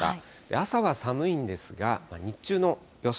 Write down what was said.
朝は寒いんですが、日中の予想